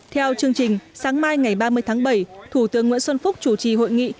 theo chương trình sáng mai ngày ba mươi tháng bảy thủ tướng nguyễn xuân phúc chủ trì hội nghị